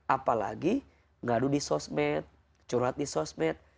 apalagi ngadu di sosmed curhat di sosmed